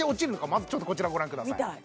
まずちょっとこちらをご覧ください